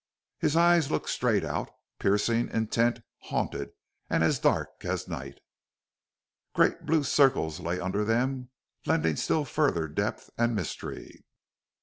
His eyes looked straight out, piercing, intent, haunted, and as dark as night. Great blue circles lay under them, lending still further depth and mystery.